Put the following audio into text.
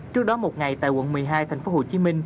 trước đó một ngày tại quận một mươi hai tp hcm